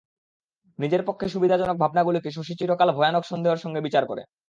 নিজের পক্ষে সুবিধাজনক ভাবনাগুলিকে শশী চিরকাল ভয়ানক সন্দেহের সঙ্গে বিচার করে।